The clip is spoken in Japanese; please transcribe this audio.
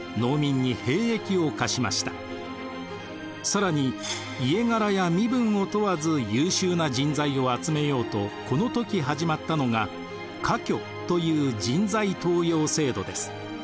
更に家柄や身分を問わず優秀な人材を集めようとこの時始まったのが「科挙」という人材登用制度です。